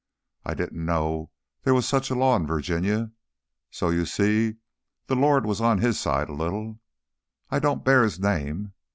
I didn't know there was such a law in Virginia. So, you see, the Lord was on his side a little. I don't bear his name.